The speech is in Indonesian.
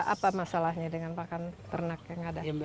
apa masalahnya dengan pakan ternak yang ada